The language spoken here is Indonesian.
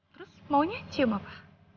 terus maunya cium apa